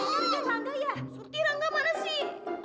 surti rangga mana sih